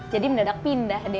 jadi mendadak pindah deh